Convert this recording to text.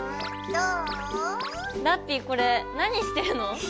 ラッピィこれ何してるの？